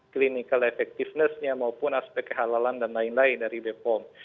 clinical effectiveness nya maupun aspek kehalalan dan lain lain dari bepom